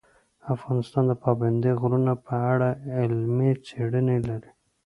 افغانستان د پابندی غرونه په اړه علمي څېړنې لري.